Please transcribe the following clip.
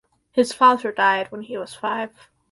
His father died when he was five.